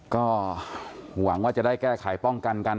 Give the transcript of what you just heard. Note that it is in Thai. ก็หวังว่าจะได้แก้ไขป้องกันกัน